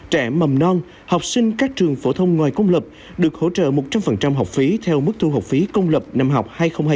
trẻ mầm non học sinh các trường phổ thông ngoài công lập được hỗ trợ một trăm linh học phí theo mức thu học phí công lập năm học hai nghìn hai mươi hai nghìn hai mươi